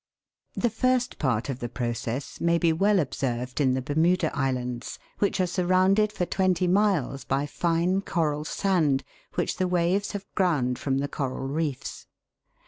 The first part of the process may be well observed in the Bermuda Islands, which are surrounded for twenty miles by fine coral sand which the waves have ground from the coral reefs.